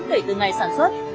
kể từ ngày sản xuất